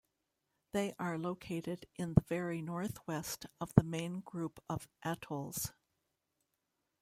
They are located in the very northwest of the main group of atolls.